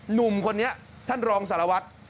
หนุ่มคนนี้ท่านรองสารวัตร